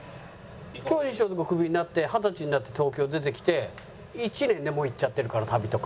巨人師匠のとこクビになって二十歳になって東京出てきて１年でもう行っちゃってるから旅とか。